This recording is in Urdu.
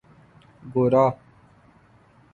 گورا